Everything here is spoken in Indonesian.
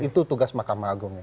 itu tugas mahkamah agungnya